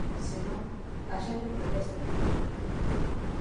Se non, a xente protesta.